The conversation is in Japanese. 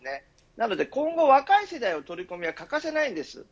なので、今後若い世代の取り込みが欠かせないです。